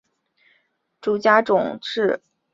诸冢村是位于日本宫崎县北部的一个村。